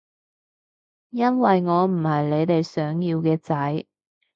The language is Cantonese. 因為我唔係你哋想要嘅仔